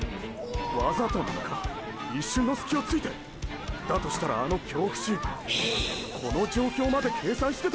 わざとなのか一瞬のスキをついて⁉だとしたらあの京伏この状況まで計算してたのか⁉